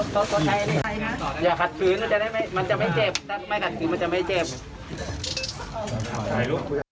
ต้องใช้ในใครน่ะอย่าขัดปืนก็จะได้มันจะไม่เจ็บเลย